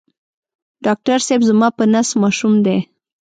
ډاکټر صېب زما په نس ماشوم دی